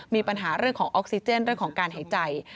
มีปัญหาเรื่องของออกซิเจนเรื่องของการหายใจ